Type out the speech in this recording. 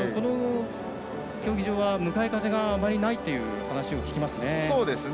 この競技場は向かい風があまりないという話を聞きますね。